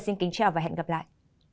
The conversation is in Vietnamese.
xin chào và hẹn gặp lại